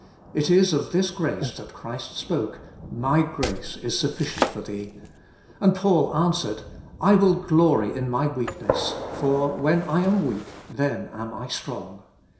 It is of this grace that Christ spoke, " My grace is sufficient for thee," and Paul answered, " I will glory in my weakness ; for, when I am weak, then am I strong."